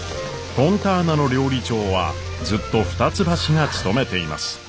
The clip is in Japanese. フォンターナの料理長はずっと二ツ橋が務めています。